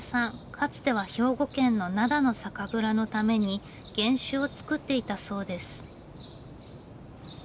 かつては兵庫県の灘の酒蔵のために原酒を造っていたそうです。